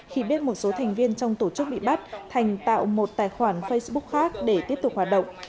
khi biết một số thành viên trong tổ chức bị bắt thành tạo một tài khoản facebook khác để tiếp tục hoạt động